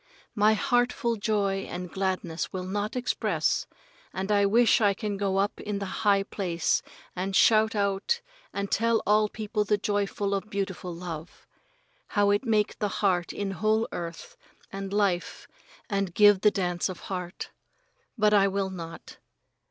My heartful joy and gladness will not express, and I wish I can go up in high place and shout out and tell all people the joyful of beautiful love. How it make the change in whole earth and life and give the dance of heart. But I will not.